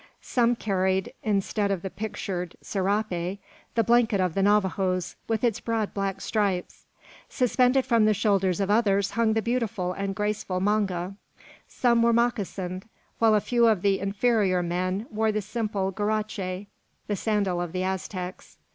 Some carried, instead of the pictured serape, the blanket of the Navajoes, with its broad black stripes. Suspended from the shoulders of others hung the beautiful and graceful manga. Some were moccasined; while a few of the inferior men wore the simple guarache, the sandal of the Aztecs.